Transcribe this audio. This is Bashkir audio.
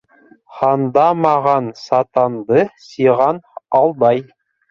Һандамаған сатанды сиған алдай!